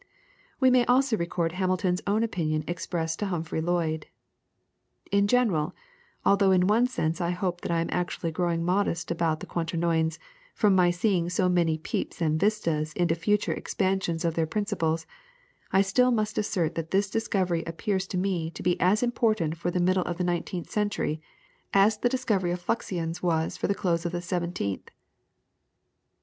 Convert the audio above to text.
We may also record Hamilton's own opinion expressed to Humphrey Lloyd: "In general, although in one sense I hope that I am actually growing modest about the quaternions, from my seeing so many peeps and vistas into future expansions of their principles, I still must assert that this discovery appears to me to be as important for the middle of the nineteenth century as the discovery of fluxions was for the close of the seventeenth."